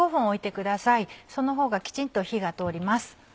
その方がきちんと火が通ります。